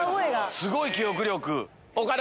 すごい記憶力！